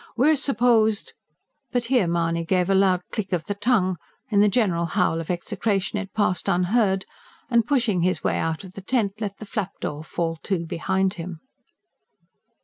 We're supposed " But here Mahony gave a loud click of the tongue in the general howl of execration it passed unheard and, pushing his way out of the tent, let the flap door fall to behind him.